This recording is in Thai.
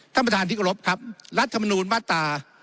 ท่านประธานที่กรบครับรัฐมนูลมาตรา